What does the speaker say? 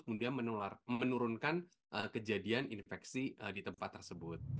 kemudian menurunkan kejadian infeksi di tempat tersebut